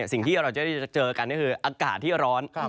สิ่งที่เราจะได้เจอกันก็คืออากาศที่ร้อน